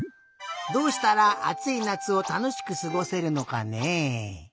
どうしたらあついなつをたのしくすごせるのかね。